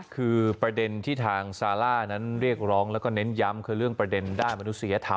คือประเด็นที่ทางซาร่านั้นเรียกร้องแล้วก็เน้นย้ำคือเรื่องประเด็นด้านมนุษยธรรม